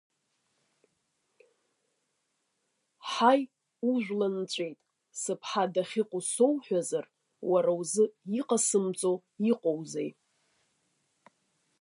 Ҳаи, ужәланҵәеит, сыԥҳа дахьыҟоу соуҳәозар, уара узы иҟасымҵо иҟоузеи!